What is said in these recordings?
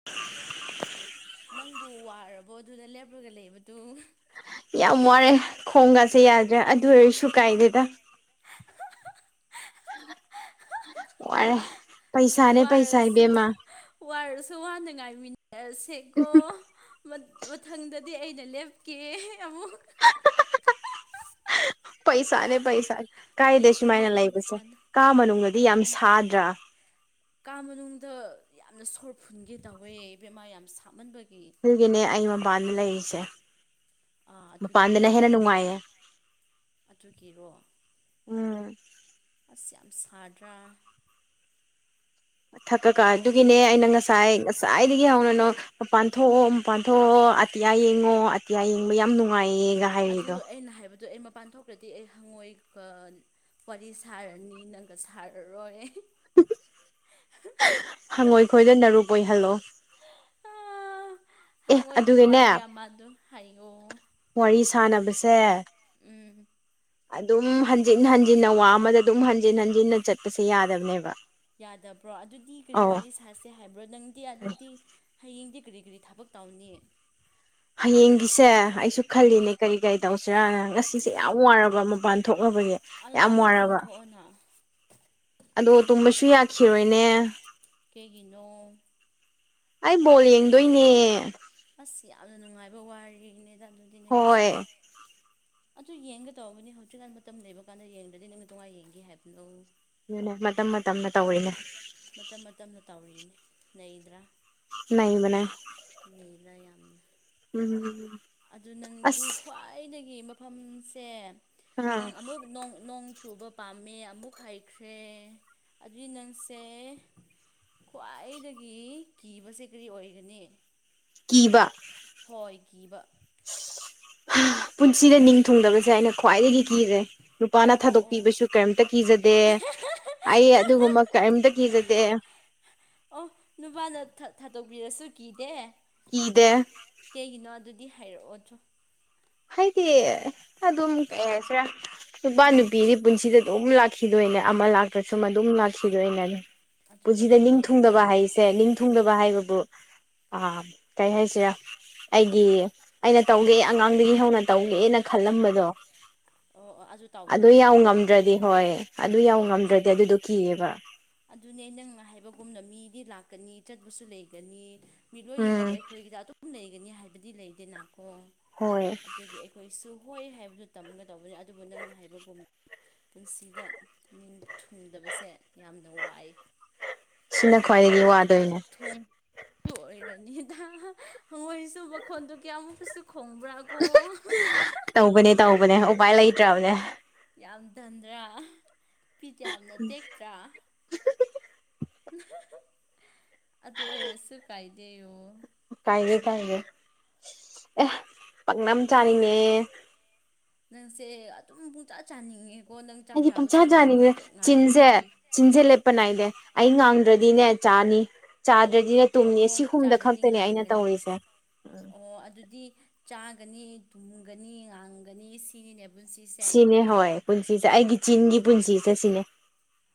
[inaudible] ꯅꯪꯕꯨ ꯋꯥꯔꯕꯣ ꯑꯗꯨꯗ ꯂꯦꯞꯂꯒ ꯂꯩꯕꯗꯨ ꯌꯥꯝ ꯋꯥꯔꯦ ꯈꯣꯡꯒꯁꯦ ꯌꯥꯗ꯭ꯔꯦꯥ ꯑꯗꯨ ꯑꯣꯏꯔꯁꯨ ꯀꯥꯏꯗꯦꯗ ꯋꯥꯔꯦ ꯄꯩꯁꯥꯅꯦ ꯄꯩꯁꯥ ꯋꯥꯔꯁꯨ ꯏꯕꯦꯝꯃ ꯋꯥꯔꯁꯨ ꯍꯥꯟꯅ ꯉꯥꯏꯃꯤꯟꯅꯔꯁꯦꯀꯣ ꯃꯊꯪꯗꯗꯤ ꯑꯩꯅ ꯂꯦꯞꯀꯦ ꯑꯃꯨꯛ ꯄꯩꯁꯥꯅꯦ ꯄꯩꯁꯥꯅꯦ ꯀꯥꯏꯗ ꯄꯩꯁꯥꯅꯤ ꯁꯨꯃꯥꯏꯅ ꯂꯩꯕꯁꯦ ꯄꯩꯁꯥꯅꯤ ꯀꯥ ꯃꯅꯨꯡꯗꯗꯤ ꯌꯥꯝ ꯑꯗꯨꯅꯤ ꯁꯥꯗ꯭ꯔꯥ ꯀꯥ ꯃꯅꯨꯡꯗ ꯌꯥꯝꯅ ꯁꯣꯔ ꯐꯨꯟꯒꯦ ꯇꯧꯋꯦ ꯏꯕꯦꯝꯃꯥ ꯌꯥꯝ ꯁꯥꯞꯃꯟꯕꯒꯤ ꯑꯗꯨꯒꯤꯅꯦ ꯑꯩ ꯃꯄꯥꯟꯗ ꯂꯩꯔꯤꯁꯦ ꯃꯄꯥꯟꯗꯅ ꯑꯥꯆꯨꯀꯤꯔꯣ ꯍꯦꯟꯅ ꯅꯨꯡꯉꯥꯏꯌꯦ ꯑꯗꯨꯒꯤꯔꯣ ꯎꯝ ꯑꯁ ꯌꯥꯝ ꯁꯥꯗ꯭ꯔꯥ ꯊꯛꯀꯀꯥ ꯑꯗꯨꯒꯤꯅꯦ ꯑꯩꯅ ꯉꯁꯥꯏ ꯉꯁꯥꯏꯗꯒꯤ ꯍꯧꯅꯅꯣ ꯃꯄꯥꯟ ꯊꯣꯛꯣꯛꯑꯣ ꯃꯄꯥꯟ ꯊꯣꯛꯣꯛꯑꯣ ꯑꯇꯤꯌꯥ ꯌꯦꯡꯉꯣ ꯑꯇꯤꯌꯥ ꯌꯦꯡꯕ ꯌꯥꯝ ꯅꯨꯡꯉꯥꯏꯌꯦꯒ ꯑꯗꯨ ꯍꯥꯏꯔꯤꯗꯣ ꯑꯩꯅ ꯍꯥꯏꯕꯗꯨꯣ ꯑꯩ ꯃꯄꯥꯟ ꯊꯣꯛ ꯗꯤ ꯑꯩ ꯍꯪꯉꯣꯏꯒ ꯋꯥꯔꯤ ꯁꯥꯔꯅꯤ ꯅꯪꯒ ꯁꯥꯔꯔꯣꯏ ꯍꯪꯉꯣꯏ ꯈꯣꯏꯗ ꯅꯔꯨꯛ ꯑꯣꯏꯍꯜꯂꯣ ꯑꯦ ꯍꯪꯉꯣꯏꯒꯤ ꯑꯗꯨꯒꯅꯦ ꯋꯥꯔꯤ ꯑꯃꯗ ꯍꯥꯏꯌꯣ ꯋꯥꯔꯤ ꯁꯥꯟꯅꯕꯁꯦ ꯎꯝ ꯑꯗꯨꯝ ꯍꯟꯖꯤꯟ ꯍꯟꯖꯤꯟꯅ ꯋꯥ ꯑꯃꯗ ꯑꯗꯨꯝ ꯍꯟꯖꯤꯟ ꯍꯟꯖꯤꯟꯅ ꯆꯠꯄꯁꯦ ꯌꯥꯗꯕꯅꯦꯕ ꯌꯥꯗꯕ꯭ꯔꯣ ꯑꯗꯨꯗꯤ ꯀꯔꯤ ꯑꯧ ꯋꯥꯔꯤ ꯁꯥꯁ ꯦ ꯍꯥꯏꯕ꯭ꯔꯣ ꯅꯪꯗꯤ ꯑꯗꯨꯗꯤ ꯍꯌꯦꯡꯗꯤ ꯀꯔꯤ ꯀꯔꯤ ꯊꯕꯛ ꯇꯧꯅꯤ ꯍꯌꯦꯡꯒꯤꯁꯦ ꯑꯩꯁꯨ ꯎꯝ ꯈꯜꯂꯤꯅꯦ ꯀꯔꯤ ꯀꯔꯤ ꯇꯧꯁꯤꯔꯥꯅ ꯉꯁꯤꯁꯦ ꯌꯥꯝ ꯋꯥꯔꯕ ꯃꯄꯥꯟ ꯊꯣꯛꯅꯕꯒꯤ ꯑꯗꯦ ꯌꯥꯝ ꯑꯃꯨꯛ ꯋꯥꯔꯕ ꯆꯨꯝꯊꯣꯛꯑꯣꯅ ꯑꯗꯣ ꯇꯨꯝꯕꯁꯨ ꯌꯥꯈꯤꯔꯣꯏꯅꯦ ꯀꯩꯒꯤꯅꯣ ꯑꯩ ꯕꯣꯜ ꯌꯦꯡꯗꯣꯏꯅꯦ ꯑꯁ ꯌꯥꯝꯅ ꯅꯨꯡꯉꯥꯏꯕ ꯋꯥꯔꯤꯅꯦꯗ ꯑꯗꯨꯗꯤ ꯅꯒꯤꯁꯦ ꯍꯣꯏ ꯑꯗꯨ ꯌꯦꯡꯒ ꯇꯧꯔꯝꯒꯅꯤ ꯍꯧꯖꯤꯛꯀꯥꯟ ꯃꯇꯝ ꯂꯩꯕ ꯀꯥꯟꯗ ꯌꯦꯡꯗ꯭ꯔꯗꯤ ꯅꯪꯅ ꯇꯣꯉꯅ ꯌꯦꯡꯒꯦ ꯍꯥꯏꯕꯅꯣ ꯑꯗꯨꯅꯦ ꯃꯇꯝ ꯃꯇꯝꯅ ꯇꯧꯔꯤꯅꯦ ꯃꯇꯝ ꯃꯇꯝꯅ ꯇꯧꯔꯤꯅꯤ ꯂꯩꯗ꯭ꯔꯥ ꯅ ꯃꯅ ꯂꯩꯅ ꯌꯥꯝ ꯎꯝ ꯑꯗꯨ ꯅꯪꯗꯤ ꯑꯁ ꯈ꯭ꯋꯥꯏꯗꯒꯤ ꯃꯐꯝꯁꯦ ꯅꯪ ꯑꯥ ꯑꯃꯨꯛꯣꯡ ꯅꯣꯡ ꯆꯨꯕ ꯄꯥꯝꯃꯦ ꯑꯃꯨꯛ ꯍꯩꯈ꯭ꯔꯦ ꯑꯗꯨꯏ ꯅꯪꯁꯦ ꯈ꯭ꯋꯥꯏꯗꯒꯤ ꯀꯤꯕꯁꯦ ꯀꯔꯤ ꯑꯣꯏꯒꯅꯤ ꯀꯤꯕ ꯍꯣꯏꯈꯤꯕ ꯄꯨꯟꯁꯤꯗ ꯅꯤꯡ ꯊꯨꯡꯗꯕꯁꯦ ꯑꯩꯅ ꯈ꯭ꯋꯥꯏꯗꯒꯤ ꯀꯤꯖꯦ ꯑꯣ ꯅꯨꯄꯥꯅ ꯑꯣ ꯑꯣ ꯊꯥꯗꯣꯛꯄꯤꯕꯁꯨ ꯀꯔꯤꯝꯇ ꯀꯤꯖꯗꯦ ꯑꯩ ꯑꯗꯨꯒꯨꯝꯕ ꯀꯔꯤꯝꯇ ꯀꯤꯖꯗꯦ ꯑꯣ ꯅꯨꯄꯥꯅ ꯊꯥꯗꯣꯛꯄꯤꯔꯁꯨ ꯀꯤꯗꯦ ꯀꯗꯦ ꯀꯩꯒꯤꯅꯣ ꯑꯗꯨꯗꯤ ꯍꯥꯏꯔꯛꯑꯣ ꯑꯗꯨ꯭ꯔꯣ ꯍꯥꯏꯗꯤ ꯑꯗꯨꯝ ꯁꯤꯔ ꯅꯨꯄꯥ ꯎꯝ ꯅꯨꯄꯤꯗꯤ ꯄꯨꯟꯁꯤꯗ ꯑꯗꯨꯝ ꯂꯥꯛꯈꯤꯗꯣꯏꯅꯦ ꯑꯃ ꯂꯥꯛꯇ꯭ꯔꯁꯨ ꯃ ꯑꯗꯨꯝ ꯂꯥꯛꯈꯤꯗꯣꯏꯅꯦ ꯑꯗꯨꯅꯦ ꯄꯨꯟꯁꯤꯗ ꯆꯨꯝꯃꯦꯀꯣ ꯅꯤꯡꯊꯨꯡꯗꯕ ꯍꯥꯏꯁꯦ ꯁꯦ ꯅꯤꯡꯊꯨꯡꯗꯕ ꯍꯥꯏꯕꯕꯨ ꯀꯩ ꯍꯥꯏꯁꯦ ꯑꯩꯒꯤ ꯑꯩꯅ ꯇꯧꯒꯦ ꯑꯉꯥꯡꯗꯒꯤ ꯍꯧꯅ ꯇꯧꯒꯦꯅ ꯈꯜꯂꯝꯕꯗꯣ ꯑꯣ ꯑꯣ ꯑꯗꯨ ꯌꯥꯝꯎ ꯇꯥꯎꯗꯕꯗꯨꯀꯣ ꯉꯝꯗ꯭ꯔꯗꯤ ꯍꯣꯏ ꯑꯗꯨ ꯌꯥꯎ ꯍꯣꯏ ꯉꯝꯗ꯭ꯔꯗꯤ ꯆꯨꯝꯃꯦ ꯑꯗꯨꯗꯣ ꯀꯤꯑꯕ ꯑꯗꯨꯅꯦ ꯅꯪꯅ ꯍꯥꯏꯕꯒꯨꯝꯅ ꯃꯤꯗꯤ ꯂꯥꯛꯀꯅꯤ ꯆꯠꯄꯁꯨ ꯂꯩꯒꯅꯤ ꯃꯤꯠ ꯂꯣꯏꯅꯃꯛ ꯎꯝ ꯑꯩꯈꯣꯏꯒꯤꯗ ꯑꯗꯨꯝ ꯂꯩꯒꯅꯤ ꯍꯥꯏꯕꯗꯤ ꯂꯩꯗꯦꯅꯀꯣ ꯍꯣꯏ ꯑꯗꯨꯒꯤ ꯑꯩꯈꯣꯏꯁꯨ ꯍꯣꯏ ꯍꯥꯏꯕꯗꯨ ꯇꯝꯒꯗꯧꯕꯅꯤ ꯑꯗꯨꯕꯨ ꯅꯪꯅ ꯍꯥꯏꯕꯒꯨꯝ ꯄꯨꯟꯁꯤꯗ ꯅꯤꯡ ꯊꯨꯡꯗꯕꯁꯦ ꯌꯥꯝꯅ ꯋꯥꯏ ꯁꯤꯅ ꯑꯗꯨ ꯈ꯭ꯋꯥꯏꯗꯒꯤ ꯋꯥꯗꯣꯏꯅꯦ ꯊꯣꯟ ꯇꯣꯏꯔꯅꯤꯗ ꯍꯪꯉꯣꯏꯁꯨ ꯃꯈꯣꯟꯗꯣ ꯀꯌꯥꯃꯨꯛꯀꯁꯨ ꯈꯣꯡꯕ꯭ꯔꯥ ꯀꯨ ꯇꯧꯕꯅꯦ ꯇꯧꯕꯅꯦ ꯎꯄꯥꯏ ꯂꯩꯇ꯭ꯔꯕꯅꯦ ꯌꯥꯝ ꯗꯟꯗ꯭ꯔꯥ ꯐꯤꯠ ꯌꯥꯝꯅ ꯇꯦꯛꯇ꯭ꯔꯥ ꯑꯗꯨ ꯑꯣꯏꯔꯁꯨ ꯀꯥꯏꯗꯦꯣ ꯀꯥꯏꯒꯦ ꯀꯥꯏꯒꯦ ꯑꯦ ꯄꯛꯅꯝ ꯆꯥꯅꯤꯡꯅꯦꯦ ꯅꯪꯁꯦ ꯑꯗꯨꯝ ꯄꯨꯡꯆꯥꯥ ꯆꯥꯅꯤꯡꯉꯦ ꯑꯩꯗꯤꯦ ꯄꯪꯆꯥꯥ ꯥꯅꯤꯁꯅꯦꯦ ꯆꯤꯟꯁꯦ ꯆꯤꯟꯁꯦ ꯂꯦꯞꯄ ꯎꯝ ꯅꯥꯏꯅꯦꯦ ꯑꯩ ꯉꯥꯡꯗ꯭ꯔꯗꯤꯅꯦ ꯆꯥꯅꯤ ꯆꯥꯗ꯭ꯔꯗꯤꯅꯦ ꯇꯨꯝꯅꯤ ꯁꯤ ꯑꯣ ꯍꯨꯝꯗ ꯆꯥꯗ꯭ꯔꯗꯤ ꯈꯛꯇꯅꯦ ꯑꯩꯅ ꯉꯥꯡꯒꯅꯤ ꯇꯧꯔꯤꯁꯦ ꯑꯣ ꯑꯗꯨꯗꯤ ꯆꯥꯒꯅꯤ ꯇꯨꯝꯒꯅꯤ ꯉꯥꯡꯒꯅꯤ ꯁꯤꯅꯤꯅꯦ ꯄꯨꯟꯁꯤꯁꯦ ꯏ ꯍꯣꯏ ꯄꯨꯟꯁꯤꯁꯦ ꯑꯩꯒꯤ ꯆꯤꯟꯒꯤ ꯄꯨꯟꯁꯤꯁꯦ ꯁꯤꯅꯦ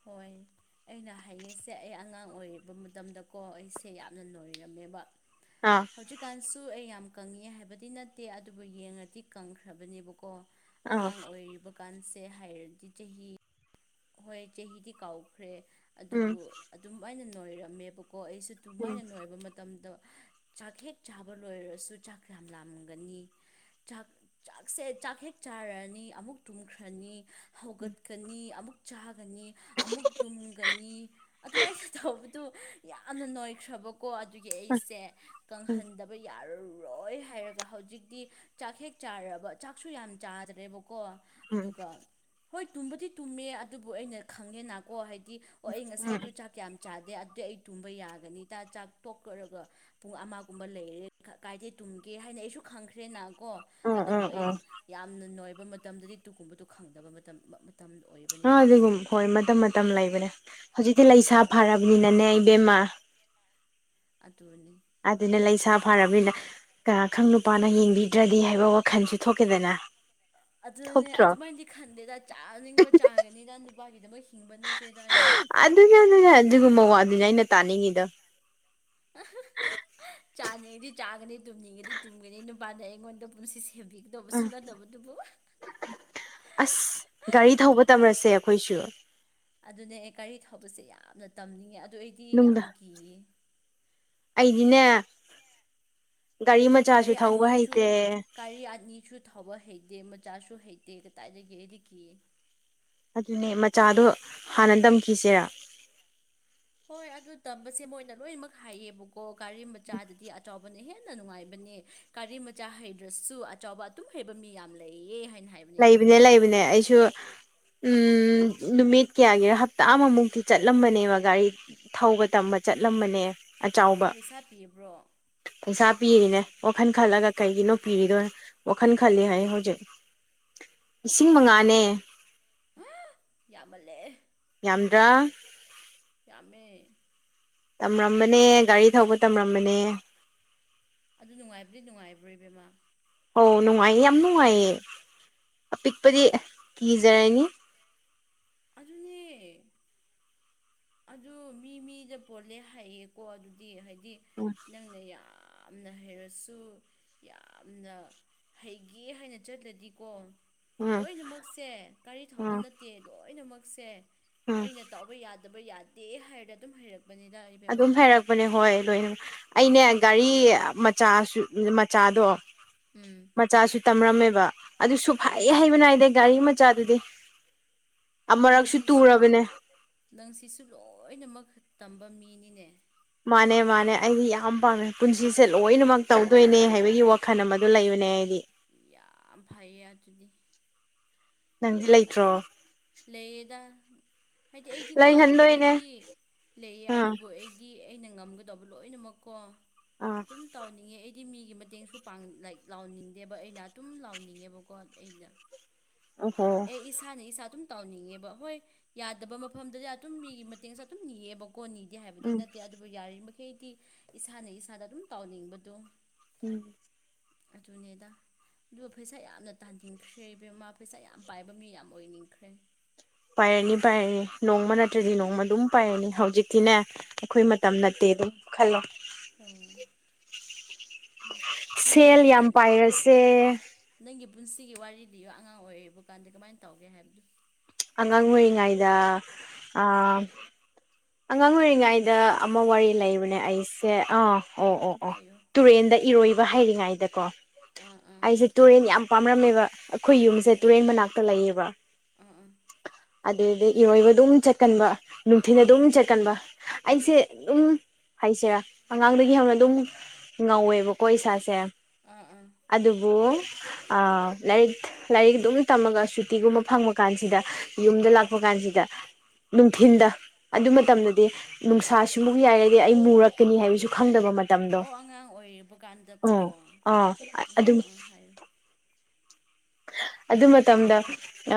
ꯍꯣꯏ ꯑꯩꯅ ꯍꯥꯏꯉꯤꯁꯦ ꯑꯩ ꯑꯉꯥꯡ ꯑꯣꯏꯔꯤꯕ ꯃꯇꯝꯗꯀꯣ ꯑꯩꯁꯦ ꯌꯥꯝꯅ ꯂꯣꯏꯔꯝꯃꯦꯕ ꯑꯥ ꯍꯧꯖꯤꯛꯀꯥꯟꯁꯨ ꯑꯩ ꯌꯥꯝ ꯀꯪꯉꯛꯑꯦ ꯍꯥꯏꯕꯗꯤ ꯅꯠꯇꯦ ꯑꯗꯨꯕꯨ ꯌꯦꯡꯉꯗꯤ ꯀꯪꯈ꯭ꯔꯕꯅꯦꯕꯀꯣ ꯑꯥ ꯑꯉꯥꯡ ꯑꯣꯏꯔꯤꯕꯀꯥꯟꯁꯦ ꯍꯥꯏꯔꯗꯤ ꯆꯍꯤ ꯍꯣꯏ ꯆꯍꯤꯗꯤ ꯀꯥꯎꯈ꯭ꯔꯦ ꯎꯝ ꯑꯗꯨꯕꯨ ꯑꯗꯨꯝ ꯑꯩꯅ ꯅꯣꯏꯔꯝꯃꯦꯕꯀꯣ ꯑꯩꯁꯨ ꯎꯝ ꯎꯝ ꯑꯗꯨꯃꯥꯏꯅ ꯅꯣꯏꯕ ꯃꯇꯝꯗ ꯆꯥꯛ ꯍꯦꯛ ꯆꯥꯕ ꯂꯣꯏꯔꯁꯨ ꯆꯥꯛ ꯌꯥꯝ ꯂꯥꯝꯒꯅꯤ ꯆꯥꯛ ꯆꯥꯛꯁꯦ ꯆꯥꯛ ꯍꯦꯛ ꯆꯥꯔꯅꯤ ꯑꯃꯨꯛ ꯇꯨꯝꯈ꯭ꯔꯅꯤ ꯍꯧꯒꯠꯀꯅꯤ ꯑꯃꯨꯛ ꯆꯥꯒꯅꯤ ꯑꯃꯨꯛ ꯇꯨꯝꯒꯅꯤ ꯑꯗꯨꯃꯥꯏꯅ ꯇꯧꯕꯗꯨ ꯌꯥꯝꯅ ꯅꯣꯏꯈ꯭ꯔꯕꯀꯣ ꯑꯗꯨꯒꯤ ꯑꯩꯁꯦ ꯀꯪꯍꯟꯗꯕ ꯌꯥꯔꯔꯣꯏ ꯍꯥꯏꯔꯒ ꯍꯧꯖꯤꯛꯇꯤ ꯆꯥꯛ ꯍꯦꯛ ꯆꯥꯔꯕ ꯆꯥꯛꯁꯨ ꯌꯥꯝ ꯆꯥꯗ꯭ꯔꯦꯕꯀꯣ ꯎꯝ ꯎꯝ ꯑꯗꯨꯒ ꯍꯣꯏ ꯇꯨꯝꯕꯗꯤ ꯇꯨꯝꯃꯦ ꯑꯗꯨꯕꯨ ꯑꯩꯅ ꯈꯪꯉꯦꯅꯀꯣ ꯍꯥꯏꯗꯤ ꯑꯣ ꯑꯩ ꯉꯁꯥꯏꯗꯨꯣ ꯆꯥꯛ ꯌꯥꯝ ꯆꯥꯗꯦ ꯑꯗꯨꯗꯤ ꯑꯩ ꯇꯨꯝꯕ ꯌꯥꯒꯅꯤꯗ ꯆꯥꯛ ꯇꯣꯛꯈꯔꯒ ꯄꯨꯡ ꯑꯃꯒꯨꯝꯕ ꯂꯩꯔꯦ ꯀꯥꯏꯗꯦ ꯇꯨꯝꯒꯦ ꯍꯥꯏꯅ ꯑꯩꯁꯨ ꯈꯪꯈ꯭ꯔꯦꯅ ꯀꯣ ꯑꯗꯨꯕꯨ ꯎꯝ ꯎꯝ ꯑꯩ ꯎꯝ ꯌꯥꯝꯅ ꯅꯣꯏꯕ ꯃꯇꯝꯗꯗꯤ ꯇꯨꯒꯨꯝꯕꯗꯨꯣ ꯈꯪꯗꯕ ꯃꯇꯝ ꯃꯇꯝꯗꯨ ꯑꯣꯏꯕ ꯑꯥ ꯑꯗꯨꯒꯨꯝ ꯍꯣꯏ ꯃꯇꯝ ꯃꯇꯝ ꯂꯩꯕꯅꯦ ꯍꯧꯖꯤꯛꯇꯤ ꯂꯩꯁꯥ ꯍꯣꯏ ꯐꯔꯕꯅꯤꯅꯅꯦ ꯏꯕꯦꯝꯃꯥ ꯑꯗꯨꯅꯤ ꯑꯗꯨꯅ ꯂꯩꯁꯥ ꯐꯅꯤꯅ ꯀꯌꯥ ꯈꯪ ꯅꯨꯄꯥꯅ ꯌꯦꯡꯕꯤꯗ꯭ꯔꯗꯤ ꯍꯥꯏꯕ ꯋꯥꯈꯜꯁꯨ ꯊꯣꯛꯀꯦꯗꯅ ꯑꯗꯨ ꯊꯣꯛꯇ꯭ꯔꯣ ꯑꯗꯨꯃꯥꯏ ꯈꯟꯗꯦꯗ ꯆꯥꯅꯤꯡꯕ ꯆꯥꯒꯅꯤꯅ ꯅꯨꯄꯥꯒꯤꯗꯃꯛ ꯍꯤꯡꯕ ꯅꯠꯇꯦꯗ ꯑꯩꯗꯤ ꯑꯗꯨꯅꯦ ꯑꯗꯨꯅꯦ ꯑꯗꯨꯒꯨꯝꯕ ꯋꯥꯗꯨꯅꯦ ꯑꯩꯅ ꯇꯥꯅꯤꯡꯉꯤꯗ ꯑ ꯆꯥꯅꯤꯡꯉꯗꯤ ꯆꯥꯒꯅꯤ ꯇꯨꯝꯅꯤꯡꯉꯗꯤ ꯇꯨꯝꯒꯅꯤ ꯅꯨꯄꯥꯅ ꯑꯩꯉꯣꯟꯗ ꯄꯨꯟꯁꯤ ꯁꯦꯝꯕꯤꯒꯅꯤꯨ ꯎꯝ ꯗꯕꯁꯤꯟꯗꯅ ꯗꯕꯗꯨꯕ ꯑꯁ ꯒꯥꯔꯤ ꯊꯧꯕ ꯇꯝꯔꯁꯦ ꯑꯩꯈꯣꯏꯁꯨ ꯑꯗꯨꯅꯦ ꯑꯦ ꯒꯥꯔꯤ ꯊꯧꯕꯁꯦ ꯌꯥꯝꯅ ꯇꯝꯅꯤꯡꯉꯦ ꯑꯗꯨ ꯑꯩꯗꯤ ꯌꯥꯝ ꯅꯨꯡꯗ ꯀꯤꯌꯦ ꯑꯩꯗꯤꯅꯦ ꯒꯥꯔꯤ ꯃꯆꯥꯁꯨ ꯊꯧꯕ ꯍꯩꯇꯦ ꯒꯥꯔꯤ ꯑꯅꯤꯁꯨ ꯊꯕ ꯍꯩꯇꯦ ꯃꯆꯥꯁꯨ ꯍꯩꯇꯦ ꯀꯗꯥꯏꯗꯒꯤ ꯑꯩꯗꯒꯤ ꯑꯗꯨꯅꯦ ꯃꯆꯥꯗꯣ ꯍꯥꯟꯅ ꯇꯝꯈꯤꯁꯤꯦꯔꯥ ꯍꯣꯏ ꯑꯗꯨ ꯇꯝꯕꯁꯦ ꯃꯣꯏꯅ ꯂꯣꯏꯅꯃꯛ ꯍꯥꯏꯌꯦꯕꯀꯣ ꯒꯥꯔꯤ ꯃꯆꯥꯗꯗꯤ ꯑꯆꯕꯅꯦꯍꯦ ꯌꯥꯝꯅ ꯅꯨꯡꯉꯥꯏꯕꯅꯦ ꯒꯥꯔꯤ ꯃꯆꯥ ꯍꯩꯗ꯭ꯔꯁꯨ ꯑꯆꯥꯎꯕ ꯑꯗꯨꯝ ꯍꯩꯕ ꯃꯤ ꯌꯥꯝꯅ ꯂꯩꯌꯦ ꯍꯥꯏꯅ ꯍꯥꯏꯕ ꯂꯩꯕꯅꯦ ꯂꯩꯕꯅꯦ ꯑꯩꯁꯨ ꯎꯝ ꯅꯨꯃꯤꯠ ꯀꯌꯥꯒꯤ ꯍꯞꯇꯥ ꯑꯃꯃꯨꯛꯇꯤ ꯆꯠꯂꯝꯕꯅꯦꯕ ꯒꯥꯔꯤ ꯊꯧꯕ ꯇꯝꯕ ꯆꯠꯂꯝꯕꯅꯦ ꯑꯆꯕ ꯄꯩꯁꯥ ꯄꯤꯕ꯭ꯔꯣ ꯄꯩꯁꯥ ꯄꯤꯔꯤꯅꯦ ꯋꯥꯈꯜ ꯈꯜꯂꯒ ꯀꯩꯒꯤꯅꯣ ꯄꯤꯔꯤꯗꯣꯏ ꯋꯥꯈꯜ ꯈꯜꯂꯤ ꯍꯥꯏ ꯍꯧꯖꯤꯛ ꯂꯤꯁꯤꯡ ꯃꯉꯥꯅꯦ ꯍꯥ ꯌꯥꯝꯃꯜꯂꯦ ꯌꯥꯝꯗ꯭ꯔꯥ ꯌꯥꯃꯦ ꯇꯝꯔꯝꯕꯅꯦ ꯒꯥꯔꯤ ꯊꯧꯕ ꯇꯝꯔꯝꯕꯅꯦ. ꯑꯗꯨ ꯅꯨꯡꯉꯥꯏꯕꯗꯤ ꯅꯨꯡꯉꯥꯏꯕ꯭ꯔꯣ ꯏꯕꯦꯝꯃꯥ ꯍꯣ ꯅꯨꯡꯉꯥꯏꯌꯦ ꯌꯥꯝ ꯅꯨꯡꯉꯥꯏꯌꯦ ꯑꯄꯤꯛꯄꯗꯤ ꯀꯤꯖꯔꯅꯤ ꯑꯗꯨꯅꯦ ꯑꯗꯨ ꯃꯤ ꯃꯤꯗ ꯄꯣꯜꯂꯦ ꯍꯥꯏꯌꯦꯀꯣ ꯑꯗꯨꯗꯤ ꯍꯥꯏꯗꯤ ꯎꯝ ꯅꯪꯅ ꯌꯥꯝꯅ ꯍꯩꯔꯁꯨ ꯌꯥꯝꯅ ꯍꯩꯒꯦ ꯍꯥꯏꯅ ꯆꯠꯂꯗꯤꯀꯣ ꯎꯝ ꯂꯣꯏꯅꯃꯛꯁꯦ ꯒꯥꯔꯤ ꯊꯕ ꯎꯝ ꯅꯠꯇꯦ ꯂꯣꯏꯅꯃꯛꯁꯦ ꯎꯝ ꯑꯩꯅ ꯇꯧꯕ ꯌꯥꯗꯦ ꯌꯥꯕ ꯌꯥꯗꯦ ꯍꯥꯏꯔ ꯑꯗꯨꯝ ꯍꯩꯔꯛꯄꯅꯤꯅ ꯑꯗꯨꯝ ꯍꯥꯏꯔꯛꯄꯅꯦ ꯍꯣꯏ ꯂꯣꯏꯅ ꯑꯩꯅꯦ ꯎꯝ ꯒꯥꯔꯤ ꯃꯆꯥꯁꯨ ꯃꯆꯥꯗꯣ ꯎꯝ ꯃꯆꯥꯁꯨ ꯇꯝꯔꯝꯃꯦꯕ ꯑꯗꯨꯁꯨ ꯐꯩ ꯑꯣ ꯍꯩꯕ ꯅꯥꯏꯗ ꯒꯥꯔꯤ ꯃꯆꯥꯗꯨꯗꯤ ꯑꯃꯨꯔꯛꯁꯨ ꯅꯪꯁꯤꯁꯨ ꯇꯨꯔꯕꯅꯦ ꯅꯪ ꯁꯤꯁꯨ ꯂꯣꯏꯅꯃꯛ ꯇꯝꯕ ꯃꯤꯅꯤꯅꯦ ꯃꯥꯅꯦ ꯃꯥꯅꯦ ꯑꯩꯗꯤ ꯌꯥꯝ ꯄꯥꯝꯃꯦ ꯄꯨꯟꯁꯤꯁꯦ ꯂꯣꯏꯅꯃꯛ ꯇꯧꯗꯣꯏꯅꯦ ꯍꯥꯏꯕꯒꯤ ꯋꯥꯈꯜ ꯑꯃꯗ ꯂꯩꯕꯅꯦ ꯑꯩꯗꯤ ꯌꯥꯝ ꯐꯩꯌꯦ ꯑꯗꯨꯗꯤ ꯅꯪꯗꯤ ꯂꯩꯇ꯭ꯔꯣ ꯂꯩꯌꯦꯗ ꯍꯥꯏꯗꯤ ꯑꯩꯗꯤꯀꯣ ꯑꯗꯨꯕꯨ ꯂꯩꯍꯟꯗꯣꯏꯅꯦ ꯑꯩꯗꯤ ꯂꯩꯌꯦ ꯑꯥ ꯑꯗꯨꯕꯨ ꯑꯩꯗꯤ ꯗꯤ ꯑꯩꯅ ꯉꯝꯒꯗꯧꯕ ꯂꯣꯏꯅꯃꯛꯀꯣ ꯑꯥ ꯑꯗꯨꯝ ꯇꯥꯎꯅꯤꯡꯉꯦ ꯑꯩ ꯒꯤ ꯃꯤꯒꯤ ꯃꯇꯦꯡꯁꯨꯥꯡ ꯂꯥꯎꯅꯤꯡꯗꯦꯕ ꯑꯩꯅ ꯑꯗꯨꯝ ꯂꯥꯎꯅꯤꯡꯉꯦꯕꯀꯣ ꯑꯩꯅ ꯑꯣꯍꯣ ꯑꯦ ꯏꯁꯥꯅ ꯏꯁꯥ ꯑꯗꯨꯝ ꯇꯥꯎꯅꯤꯡꯉꯦꯕ ꯍꯣꯏ ꯌꯥꯗꯕ ꯃꯐꯝꯗꯗ ꯑꯗꯨꯝ ꯃꯤꯒꯤ ꯃꯇꯦꯡꯁꯦ ꯑꯗꯨꯝ ꯅꯤꯌꯦꯕꯀ ꯀꯣꯟꯅꯤꯗꯦ ꯍꯥꯏꯕꯗꯤ ꯎꯝ ꯅꯠꯇꯦ ꯑꯗꯨꯕꯨ ꯌꯥꯔꯤꯃꯩꯗꯤ ꯏꯁꯥꯅ ꯏꯁꯥꯗ ꯑꯗꯨꯝ ꯇꯥꯎꯅꯤꯡꯕꯗꯣ ꯎꯝ ꯑꯗꯨꯅꯦꯗ ꯑꯗꯨꯒ ꯄꯩꯁꯥ ꯌꯥꯝꯅ ꯇꯥꯟꯅꯤꯡꯟꯈ꯭ꯔꯦ ꯏꯕꯦꯝꯃ ꯄꯩꯁꯥ ꯌꯥꯝ ꯄꯥꯏꯕ ꯃꯤ ꯌꯥꯝ ꯑꯣꯏꯅꯤꯡꯈ꯭ꯔꯦ ꯄꯥꯏꯔꯅꯤ ꯄꯥꯏꯔꯅꯤ ꯅꯣꯡꯃ ꯅꯠꯇ꯭ꯔꯗꯤ ꯅꯣꯡꯃ ꯑꯗꯨꯝ ꯄꯥꯏꯔꯅꯤ ꯍꯧꯖꯤꯛꯇꯤꯅꯦ ꯑꯩꯈꯣꯏ ꯃꯇꯝ ꯅꯠꯇꯦ ꯑꯗꯨꯝ ꯈꯜꯂꯣ ꯎꯝ ꯁꯦꯜ ꯄꯨꯟ ꯌꯥꯝ ꯄꯥꯏꯔꯁꯦ ꯅꯪꯒꯤ ꯄꯨꯟꯁꯤꯒꯤ ꯋꯥꯔꯤꯗꯤ ꯑꯉꯥꯡ ꯑꯣꯏꯔꯤꯕ ꯀꯥꯟꯗ ꯀꯃꯥꯏꯅ ꯇꯧꯒꯦ ꯍꯥꯏꯕꯗꯨ ꯑꯉꯥꯡ ꯑꯣꯏꯔꯤꯉꯩꯗ ꯑꯉꯥꯡ ꯑꯣꯏꯔꯤꯉꯩꯗ ꯑꯃ ꯋꯥꯔꯤ ꯂꯩꯕꯅꯦ ꯑꯩꯁꯦ ꯑꯥ ꯑꯣ ꯑꯣ ꯑꯣ ꯍꯥꯏꯌꯣ ꯇꯨꯔꯦꯟꯗ ꯏꯔꯣꯏꯕ ꯍꯩꯔꯤꯉꯩꯗꯀꯣ ꯑꯥ ꯑꯥ ꯑꯩꯁꯦ ꯇꯨꯔꯦꯟ ꯌꯥꯝ ꯄꯥꯝꯔꯝꯃꯦꯕ ꯑꯩꯈꯣꯏ ꯌꯨꯝꯁꯦ ꯇꯨꯔꯦꯟ ꯑꯣ ꯃꯅꯥꯛꯇ ꯂꯩꯌꯦꯕ ꯑꯥ ꯑꯥ ꯑꯗꯨꯗꯒꯤ ꯏꯔꯣꯏꯕ ꯑꯗꯨꯝ ꯆꯠꯀꯟꯕ ꯅꯨꯡꯊꯤꯟ ꯑꯗꯨꯝ ꯆꯠꯀꯟꯕ ꯑꯩꯁꯦ ꯑꯗꯨꯝ ꯍꯥꯏꯁꯦꯔꯥ ꯑꯉꯥꯡꯗꯒꯤ ꯍꯧꯅ ꯑꯗꯨꯝ ꯉꯧꯑꯦꯕꯀꯣ ꯏꯁꯥꯁꯦ ꯑꯥ ꯑꯥ ꯑꯗꯨꯕꯨ ꯂꯥꯏꯔꯤꯛ ꯂꯥꯏꯔꯤꯛ ꯑꯗꯨꯝ ꯇꯝꯃꯒ ꯁꯨꯇꯤꯒꯨꯝꯕ ꯐꯪꯕ ꯀꯥꯟꯁꯤꯗ ꯌꯨꯝꯗ ꯂꯥꯛꯄ ꯀꯥꯟꯁꯤꯗ ꯅꯨꯡꯊꯤꯟꯗ ꯑꯗꯨ ꯃꯇꯝꯗꯗꯤ ꯅꯨꯡꯁꯥꯁꯨꯃꯨꯛ ꯌꯥꯏꯔꯗꯤ ꯑꯩ ꯃꯨꯔꯛꯀꯅꯤ ꯍꯥꯏꯕꯁꯨ ꯈꯪꯗꯕ ꯃꯇꯝ ꯃꯇꯝꯗꯣ ꯑꯣ ꯑꯉꯥꯡ ꯑꯣꯏꯔꯤꯕ ꯀꯥꯟꯗꯀꯣ ꯎꯝ ꯑꯥ ꯎꯝ ꯑꯗꯨꯝ ꯎꯝ ꯍꯥꯏꯌꯨ ꯑꯗꯨ ꯃꯇꯝꯗ ꯑ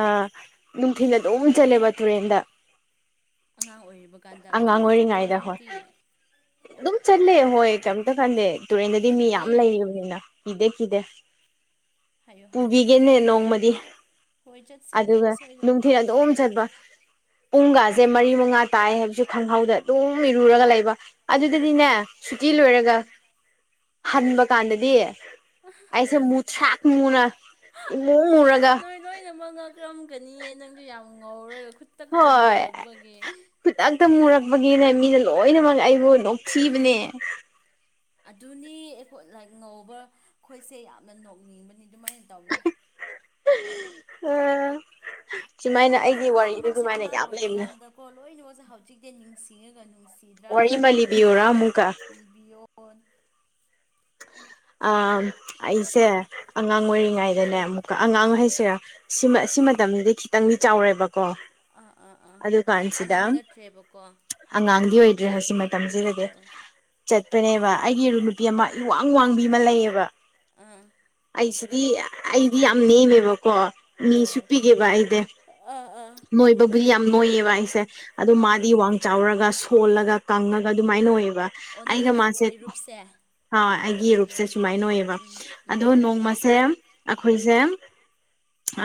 ꯅꯨꯡꯊꯤꯟ ꯑꯗꯨꯝ ꯆꯠꯂꯦꯕ ꯇꯨꯔꯦꯟꯗ ꯑꯉꯥꯡ ꯑꯣꯏꯔꯤꯕ ꯀꯥꯟꯗ ꯑꯉꯥꯡ ꯅꯊꯟꯇ ꯆꯠꯄ꯭ꯔꯣ ꯑꯣꯏꯔꯤꯉꯩꯗ ꯍꯣꯏ ꯅꯪꯗꯤ ꯑꯗꯨꯝ ꯆꯠꯂꯦ ꯍꯣꯏ ꯀꯩꯝꯇ ꯈꯟꯗꯦ ꯇꯨꯔꯦꯟꯗꯗꯤ ꯃꯤ ꯌꯥꯝ ꯀꯤꯗꯦ ꯂꯩꯔꯝꯅꯤꯅ ꯀꯤꯗꯦ ꯀꯤꯗꯦ ꯍꯥꯏꯌꯣ ꯍꯥꯏꯌꯣ ꯏꯅꯦ ꯅꯣꯡꯃꯗꯤ ꯍꯣꯏ ꯆꯠꯁꯦ ꯅꯣꯡꯃ ꯑꯗꯨꯒ ꯁꯣꯏꯗꯅ ꯅꯨꯡꯊꯤꯟ ꯑꯗꯨꯝ ꯆꯠꯄ ꯄꯨꯡꯒꯥꯁꯦ ꯃꯔꯤ ꯃꯉꯥ ꯇꯥꯏ ꯍꯥꯏꯕꯁꯨ ꯈꯪꯍꯧꯗ ꯑꯗꯨꯝ ꯏꯔꯨꯔꯒ ꯂꯩꯕ ꯑꯗꯨꯗꯗꯤꯅꯦ ꯁꯨꯇꯤ ꯂꯣꯏꯔꯒ ꯎꯝ ꯍꯟꯕ ꯀꯥꯟꯗꯗꯤ ꯍꯥ ꯃꯊꯔ꯭ꯥꯛ ꯃꯨꯅ ꯏꯃꯨ ꯃꯔꯒ ꯀꯩꯅꯣ ꯃꯉꯛ ꯀꯝꯒꯅꯤꯌꯦ ꯅꯪꯗꯤ ꯌꯥꯝ ꯉꯧꯔꯒ ꯈꯨꯠꯇꯛ ꯍꯣꯏ ꯇꯝꯃꯨꯔꯛꯄꯒꯤ ꯈꯨꯗꯛꯇ ꯃꯨꯔꯛꯄꯒꯤꯅꯦ ꯃꯤꯅ ꯂꯣꯏꯅꯃꯛ ꯑꯩꯕꯨ ꯅꯣꯛꯊꯤꯕꯅꯦ ꯑꯗꯨꯅꯤ ꯑꯩꯈꯣꯏ ꯂꯥꯏꯠ ꯉꯧꯕ ꯑꯩꯈꯣꯏꯁꯦ ꯌꯥꯝꯅ ꯅꯣꯛꯅꯤꯡꯕꯅꯤ ꯑꯗꯨꯃꯥꯏꯅ ꯇꯧꯕꯅꯤ ꯑ ꯁꯨꯃꯥꯏꯅ ꯑꯩꯒꯤ ꯋꯥꯔꯤꯗꯨ ꯁꯨꯃꯥꯏꯅ ꯌꯥꯝ ꯂꯩꯕꯅꯦ ꯀꯣ ꯂꯣꯏꯅꯃꯛꯁꯦ ꯍꯧꯖꯤꯛꯇꯤ ꯅꯤꯡꯁꯤꯡꯉꯒ ꯅꯨꯡꯁꯤ ꯋꯥꯔꯤ ꯑꯃ ꯂꯤꯕꯤꯌꯨꯔ ꯑꯃꯨꯛꯀ ꯂꯤꯕꯤꯌꯣ ꯑꯣꯟ ꯑ ꯑꯩꯁꯦ ꯑꯉꯥꯡ ꯍꯥꯏꯌꯣ ꯑꯣꯏꯔꯤꯉꯩꯗꯅꯦ ꯑꯃꯨꯛꯀ ꯑꯉꯥꯡ ꯑꯥ ꯍꯥꯏꯁꯦꯔ ꯁꯤꯃ ꯁꯤ ꯃꯇꯝꯗꯗꯤ ꯈꯤꯇꯪꯗꯤ ꯆꯥꯎꯔꯦꯕ ꯑꯥ ꯑꯥ ꯑꯥ ꯌꯥꯝ ꯑꯉꯥꯡ ꯅꯠꯇ꯭ꯔꯦꯕꯀꯣ ꯑꯉꯥꯡꯗꯤ ꯑꯣꯏꯗ꯭ꯔꯦ ꯍꯧꯖꯤꯀ ꯍꯣꯏ ꯃꯇꯝꯁꯤꯗꯗꯤ ꯍꯣꯏ ꯆꯠꯄꯅꯦꯕ ꯑꯩꯒꯤ ꯏꯔꯨꯞ ꯅꯨꯄꯤ ꯑꯃ ꯏꯋꯥꯡ ꯋꯥꯡꯕꯤ ꯑꯃ ꯂꯩꯌꯦꯕ ꯑꯥ ꯑꯩꯁꯤꯗꯤ ꯑꯩꯗꯤ ꯌꯥꯝ ꯅꯦꯝꯃꯦꯕꯀꯣ ꯃꯤꯁꯨꯨ ꯍꯣꯏ ꯄꯤꯛꯑꯦꯕ ꯑꯩꯗꯤ ꯑꯥ ꯑꯥ ꯅꯣꯏꯕꯨꯗꯤ ꯌꯥꯝ ꯅꯣꯏꯌꯦꯕ ꯑꯩꯁꯦ ꯑꯗꯣ ꯑꯥ ꯃꯥꯗꯤ ꯋꯥꯡ ꯆꯥꯎꯔꯒ ꯁꯣꯜꯂꯒ ꯀꯪꯉꯒ ꯑꯗꯨꯃꯥꯏꯅ ꯑꯣꯏꯌꯦꯕ ꯑꯣ ꯑꯩꯒ ꯅꯪꯒꯤ ꯃꯥꯁꯦ ꯏꯔꯨꯞꯁꯦ ꯍꯣꯏ ꯑꯩꯒꯤ ꯏꯔꯨꯞꯁꯦ ꯎꯝ ꯁꯨꯃꯥꯏꯅ ꯑꯣꯏꯌꯦꯕ ꯎꯝ ꯎꯝ ꯑꯗꯣ ꯅꯣꯡꯃꯁꯦ ꯑꯩꯈꯣꯏꯁꯦ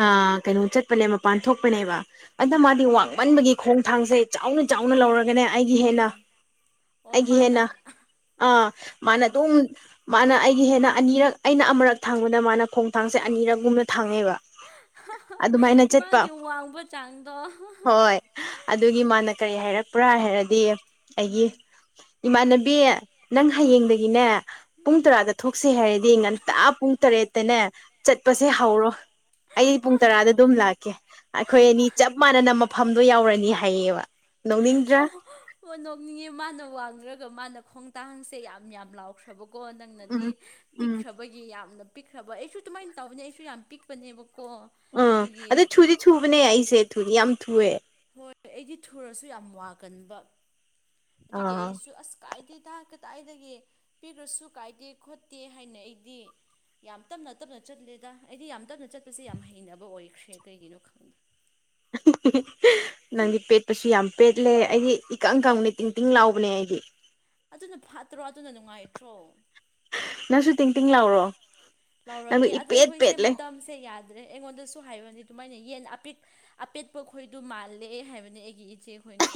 ꯑꯥ ꯀꯩꯅꯣ ꯆꯠꯄꯅꯦ ꯃꯄꯥꯟ ꯊꯣꯛꯄꯅꯦꯕ ꯑꯗꯨ ꯃꯥꯗꯤ ꯃꯄꯥꯟꯗ ꯋꯥꯡꯃꯟꯕꯒꯤ ꯈꯣꯡꯊꯥꯡꯁꯦ ꯆꯥꯎꯅ ꯆꯥꯎꯅ ꯂꯧꯔꯒꯅꯦ ꯑꯩꯒꯤ ꯍꯦꯟꯅ ꯑꯥ ꯑꯣ ꯑꯩꯒꯤ ꯃꯥꯅ ꯍꯦꯟꯅ ꯑꯥ ꯃꯥꯅ ꯑꯥ ꯑꯗꯨꯝ ꯃꯥꯅ ꯑꯩꯒꯤ ꯍꯦꯟꯅ ꯑꯅꯤꯔꯛ ꯑꯩꯅ ꯑꯃꯔꯛ ꯊꯥꯡꯕꯗ ꯃꯥꯅ ꯈꯣꯡꯊꯥꯡꯁꯦ ꯑꯅꯤꯔꯛꯒꯨꯝꯅ ꯊꯥꯡꯉꯦꯕ ꯑꯗꯨꯃꯥꯏꯅ ꯆꯠꯄ ꯃꯥꯒꯤ ꯋꯥꯡꯕ ꯆꯥꯡꯗꯣ ꯍꯣꯏ ꯑꯗꯨꯒꯤ ꯃꯥꯅ ꯀꯔꯤ ꯍꯥꯏꯔꯛꯄ꯭ꯔꯥ ꯍꯥꯏꯔꯗꯤ ꯑꯩꯒꯤ ꯑꯥ ꯏꯃꯥꯟꯅꯕꯤ ꯕꯤ ꯅꯪ ꯍꯌꯦꯡꯗꯒꯤꯅꯦ ꯄꯨꯡ ꯎꯝ ꯇꯔꯥꯗ ꯊꯣꯛꯁꯦ ꯍꯥꯏꯔꯗꯤ ꯉꯟꯇꯥ ꯄꯨꯡ ꯇꯔꯦꯠꯇꯅꯦ ꯆꯠꯄꯁꯦ ꯍꯧꯔꯣ ꯑꯩ ꯄꯨꯡ ꯇꯔꯥꯗ ꯑꯗꯨꯝ ꯂꯥꯛꯀꯦ ꯑꯩꯈꯣꯏ ꯑꯅꯤ ꯆꯞ ꯃꯥꯟꯅꯅ ꯃꯐꯝꯗꯣ ꯌꯥꯎꯔꯅꯤ ꯍꯥꯏꯌꯦꯕ ꯅꯣꯛꯅꯤꯡ ꯑ ꯑꯣ ꯅꯣꯛꯅꯤꯡꯉꯦ ꯃꯥꯅ ꯋꯥꯡꯔꯒ ꯃꯥꯅ ꯈꯣꯡꯊꯥꯡꯁꯦ ꯌꯥꯝ ꯌꯥꯝ ꯂꯥꯎꯈ꯭ꯔꯕꯀꯣ ꯅ ꯅꯪꯅꯗꯤ ꯎꯝ ꯎꯝ ꯄꯤꯛꯈ꯭ꯔꯕꯒꯤ ꯌꯥꯝꯅ ꯄꯤꯛꯈ꯭ꯔꯕ ꯑꯩꯁꯨ ꯑꯗꯨꯃꯥꯏꯅ ꯇꯧꯕꯅꯦ ꯑꯩꯁꯨ ꯌꯥꯝ ꯄꯤꯛꯄꯅꯦꯕꯀꯣ ꯑꯥ ꯑꯗꯨꯒꯤ ꯑꯗꯩ ꯊꯨꯗꯤ ꯊꯨꯕꯅꯦ ꯑꯩꯁꯦ ꯊꯨꯗꯤ ꯌꯥꯝ ꯊꯨꯑꯦ ꯍꯣꯏ ꯑꯩꯗꯤ ꯊꯨꯔꯁꯨ ꯌꯥꯝ ꯋꯥꯒꯟꯕ ꯑꯗꯨꯒꯤ ꯑꯥ ꯑꯩꯁꯨ ꯑꯁ ꯀꯥꯏꯗꯦꯗ ꯀꯗꯥꯏꯗꯒꯤ ꯄꯤꯈ꯭ꯔꯁꯨ ꯀꯥꯏꯗꯦ ꯈꯣꯠꯇꯦ ꯍꯥꯏꯅ ꯑꯩꯗꯤ ꯌꯥꯝ ꯇꯞꯅ ꯇꯞꯅ ꯆꯠꯂꯦꯗ ꯑꯩꯗꯤ ꯌꯥꯝ ꯇꯞꯅ ꯆꯠꯄꯁꯦ ꯌꯥꯝ ꯍꯩꯅꯕ ꯑꯣꯏꯈ꯭ꯔꯦ ꯀꯩꯒꯤꯅꯣ ꯈꯪꯗꯦ [inaudible] ꯅꯪꯗꯤ ꯄꯦꯠꯄꯁꯨ ꯌꯥꯝ ꯄꯦꯠꯂꯦ ꯑꯩꯗꯤ ꯏꯀꯪ ꯀꯪꯅꯦ ꯇꯤꯡ ꯇꯤꯡ ꯂꯥꯎꯕꯅꯦ ꯑꯩꯗꯤ ꯑꯗꯨꯅ ꯐꯠꯇ꯭ꯔꯣ ꯑꯗꯨꯅ ꯅꯨꯡꯉꯥꯏꯇ꯭ꯔꯣ ꯅꯪꯁꯨ ꯇꯤꯡ ꯇꯤꯡ ꯂꯥꯎꯔꯣ ꯅꯪꯗꯣ ꯂꯥꯎꯔꯛꯀꯦ ꯑꯗꯣ ꯏꯄꯦꯠ ꯑꯩꯈꯣꯏꯁꯦ ꯄꯦꯠꯂꯦ ꯃꯇꯝꯁꯦ ꯌꯥꯗ꯭ꯔꯦ ꯑꯩꯉꯣꯟꯗꯁꯨ ꯍꯥꯏꯕꯅꯤ ꯑꯗꯨꯃꯥꯏꯅ ꯌꯦꯟ ꯑꯄꯤꯛ ꯑꯄꯦꯠꯄ ꯈꯣꯏꯗ ꯃꯥꯜꯂꯦ ꯍꯥꯏꯕꯅꯤ ꯑꯩꯒꯤ ꯏꯆꯦꯈꯣꯏꯅ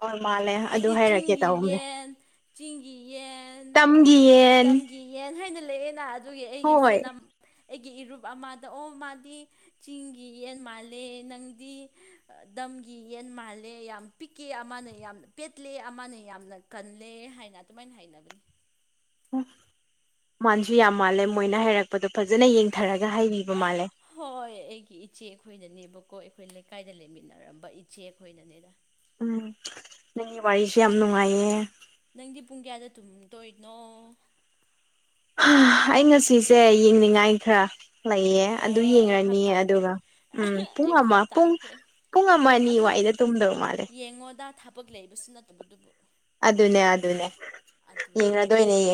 ꯑꯣ ꯃꯥꯂꯦ ꯍꯥꯏꯗꯤ ꯆꯤꯡꯒꯤ ꯌꯦꯟ ꯆꯤꯡꯒꯤ ꯌꯦꯟ ꯇꯝꯒꯌꯦꯟ ꯇꯝꯒꯤ ꯌꯦꯟ ꯍꯥꯏꯅ ꯂꯩꯑꯦꯅ ꯑꯗꯨꯒꯤ ꯑꯩꯒꯤ ꯐ꯭ꯔꯦꯟ ꯑꯝ ꯑꯩꯒꯤ ꯏꯔꯨꯞ ꯑꯃꯗ ꯑꯣ ꯃꯥꯗꯤ ꯆꯤꯡꯒꯤ ꯌꯦꯟ ꯃꯥꯜꯂꯦ ꯅꯪꯗꯤ ꯗꯝꯒꯤ ꯌꯦꯟ ꯃꯥꯜꯂꯦ ꯌꯥꯝ ꯄꯤꯛꯀꯦ ꯑꯃꯅ ꯌꯥꯝꯅ ꯄꯦꯠꯂꯦ ꯑꯃꯅ ꯌꯥꯝꯅ ꯀꯜꯂꯦ ꯍꯥꯏꯅ ꯑꯗꯨꯃꯥꯏꯅ ꯍꯥꯏꯅꯕꯅꯤ ꯑꯣ ꯃꯥꯟꯁꯨ ꯌꯥꯝ ꯃꯥꯜꯂꯦ ꯃꯣꯏꯅ ꯍꯥꯏꯔꯛꯄꯗꯣ ꯐꯖꯅ ꯌꯦꯡꯊꯔꯒ ꯍꯥꯏꯕꯤꯕ ꯃꯥꯜꯂꯦ ꯍꯣꯏ ꯑꯩꯒꯤ ꯏꯆꯦ ꯑꯩꯈꯣꯏꯅꯅꯦꯕꯀꯣ ꯑꯩꯈꯣꯏ ꯂꯩꯀꯥꯏꯗ ꯂꯩꯃꯤꯟꯅꯔꯝꯕ ꯏꯆꯦ ꯑꯩꯈꯣꯏꯅꯅꯤꯗ ꯎꯝ ꯅꯪꯒꯤ ꯋꯥꯔꯤꯁꯦ ꯌꯥꯝ ꯅꯨꯡꯉꯥꯏꯌꯦ ꯅꯪꯗꯤ ꯄꯨꯡ ꯀꯌꯥꯗ ꯇꯨꯝꯗꯣꯏꯅꯣ ꯑꯩ ꯉꯁꯤꯁꯦ ꯌꯦꯡꯅꯤꯡꯉꯥꯏ ꯈꯔ ꯂꯩꯌꯦ ꯑꯣ ꯑꯗꯨ ꯑꯩ ꯚꯥꯞ ꯌꯦꯡꯔꯅꯤꯌꯦ ꯇꯥꯈ꯭ꯔꯦ ꯑꯗꯨꯒ ꯎꯝ ꯄꯨꯡ ꯑꯩ ꯑꯃ ꯚꯥꯞ ꯄꯨꯡ ꯇꯥꯈ꯭ꯔꯦ ꯄꯨꯡ ꯑꯃ ꯑꯅꯤ ꯑꯗꯨ ꯋꯥꯏꯗ ꯇꯨꯝꯗꯧ ꯃꯥꯜꯂꯦ ꯌꯦꯡꯉꯣꯗ ꯊꯕꯛ ꯂꯩꯕꯁꯨ ꯅꯠꯇꯕꯗꯨꯕꯨ ꯑꯗꯨꯅꯦ ꯑꯗꯨꯅꯦ ꯑꯗꯨꯅꯤ ꯌꯦꯡꯔꯗꯣꯏꯅꯦ ꯌꯦ